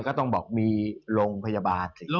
ก็ต้องบอกมีโรงพยาบาล